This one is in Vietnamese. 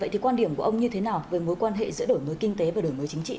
vậy thì quan điểm của ông như thế nào về mối quan hệ giữa đổi mới kinh tế và đổi mới chính trị